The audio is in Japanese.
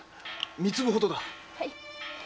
三粒ほどだ。